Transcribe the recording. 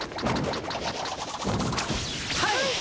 はい！